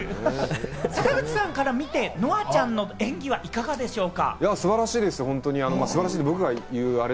坂口さんから見て、乃愛ちゃんの演技はいかがですか？